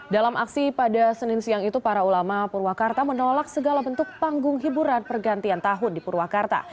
dalam aksi pada senin siang itu para ulama purwakarta menolak segala bentuk panggung hiburan pergantian tahun di purwakarta